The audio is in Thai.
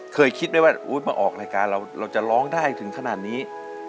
เคยคิดไหมว่าอู๊ดมาออกรายการเราเราจะร้องได้ถึงขนาดนี้